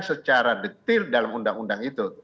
secara detail dalam undang undang itu